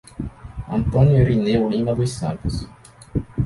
Antônio Irineu Lima dos Santos